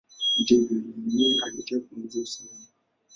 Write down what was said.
Hata hivyo, Nehemia alitaka kuongeza usalama.